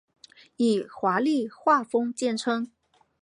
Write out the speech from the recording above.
以华丽画风见称。